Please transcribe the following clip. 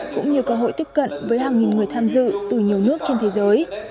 cũng như cơ hội tiếp cận với hàng nghìn người tham dự từ nhiều nước trên thế giới